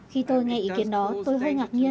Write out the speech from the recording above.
khi tôi nghe ý kiến đó tôi hơi ngạc nhiên